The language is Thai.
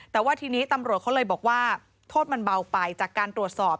แต่ว่าทีนี้ตำรวจเขาเลยบอกว่าโทษมันเบาไปจากการตรวจสอบ